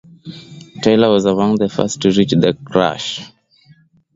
Taylor was among the first to reach the crash.